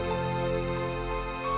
mohon sebut sesuatanya